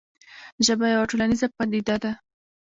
ژبه یوه ټولنیزه پدیده ده.